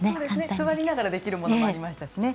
座りながらできるものもありましたしね。